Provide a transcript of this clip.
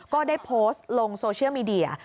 ก็ได้โพสต์ลงโซเชียลมีเดีย